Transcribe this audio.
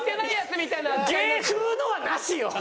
芸風のはなしよ！